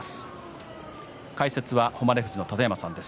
解説は誉富士の楯山さんです。